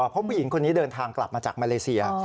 เพราะผู้หญิงคนนี้เดินทางกลับมาจากมาเลเซีย